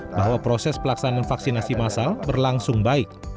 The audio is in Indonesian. bahwa proses pelaksanaan vaksinasi masal berlangsung baik